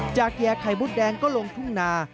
จากแยกไข่มดแดงก็ลงทุ่งนะ